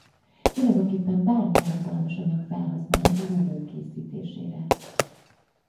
Tulajdonképpen bármilyen rugalmas anyag felhasználható rugó készítésére.